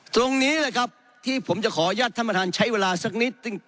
ตรงนี้แหละครับที่ผมจะขออนุญาตท่านประธานใช้เวลาสักนิดนึง